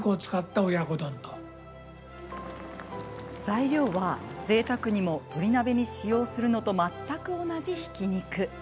材料は、ぜいたくにも鶏鍋に使用するのと全く同じひき肉。